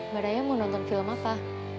baraya mau nonton film apa